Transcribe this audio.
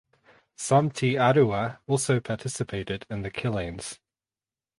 Some Te Arawa also participated in the killings.